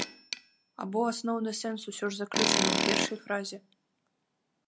Або асноўны сэнс усё ж заключаны ў першай фразе?